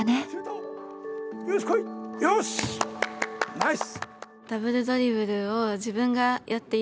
ナイス。